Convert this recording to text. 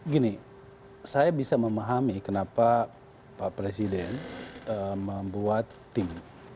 gini saya bisa memahami kenapa pak presiden membuat tim